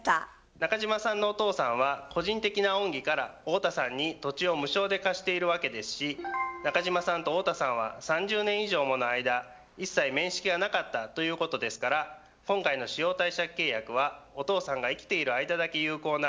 中島さんのお父さんは個人的な恩義から太田さんに土地を無償で貸しているわけですし中島さんと太田さんは３０年以上もの間一切面識がなかったということですから今回の使用貸借契約はお父さんが生きている間だけ有効な